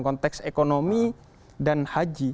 konteks ekonomi dan haji